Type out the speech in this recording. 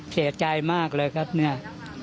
เสียใจมากเลยครับเนี่ย